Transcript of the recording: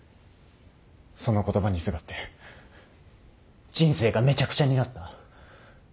その言葉にすがって人生がめちゃくちゃになった。